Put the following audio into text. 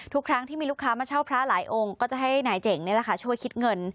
ทุกครั้งที่มีลูกค้ามาเช่าพระหลายองค์ก็จะให้นายเจ๋งนี่แหละค่ะช่วยคิดเงิน